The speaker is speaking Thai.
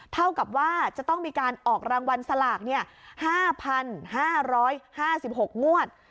เท่ากับว่าจะต้องมีการออกรางวัลสลาก๕๕๖งวด